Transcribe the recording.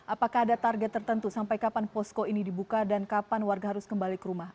apakah ada target tertentu sampai kapan posko ini dibuka dan kapan warga harus kembali ke rumah